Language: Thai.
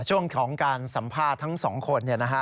ช่วงของการสัมภาษณ์ทั้งสองคน